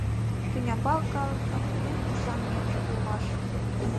— Тӱнямбал калыкын эн ушан еҥже улмаш...